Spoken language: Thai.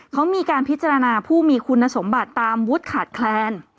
เขามีการพิจารณาผู้มีคุณสมบัติตามวุฒิขาดแคลน